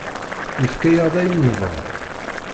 Yefka-aɣ-d ayen nebɣa.